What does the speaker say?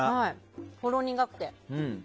ほろ苦くて。